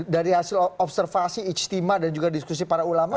dari hasil observasi ijtima dan juga diskusi para ulama